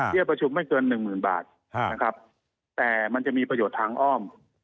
เทียบประชุมไม่เกิน๑หมื่นบาทแต่มันจะมีประโยชน์ทางอ้อม